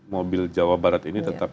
mobil jawa barat ini tetap